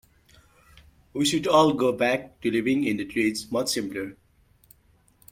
We should all go back to living in the trees, much simpler.